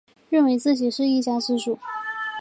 水龙兽已具有次生腭。